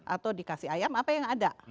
atau dikasih ayam apa yang ada